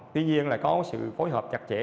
tuy nhiên là có sự phối hợp chặt chẽ